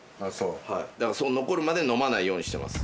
だから残るまで飲まないようにしてます。